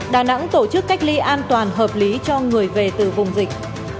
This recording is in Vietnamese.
đà nẵng tổ chức cách ly an toàn hợp lý cho người về từ vùng dịch